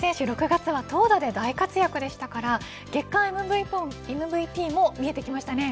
６月は投打で大活躍でしたから月間ＭＶＰも見えてきましたね。